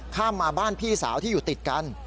ข้ามมาบ้านพี่สาวที่อยู่ติดกัน